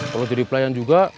kalo jadi pelayan juga